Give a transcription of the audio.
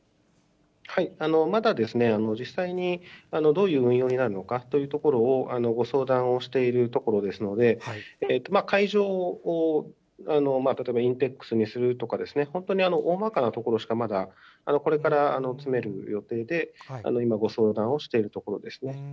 まだ実際にどういう運用になるのかということをご相談をしているところですので、会場を例えばインテックスにするとか、本当に大まかなところしかまだ、これから詰める予定で、今、ご相談をしているところですね。